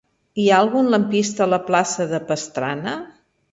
Hi ha algun lampista a la plaça de Pastrana?